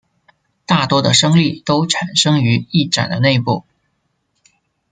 大多的升力都产生于翼展的内部。